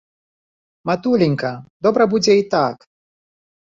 Матуленька, добра будзе і так.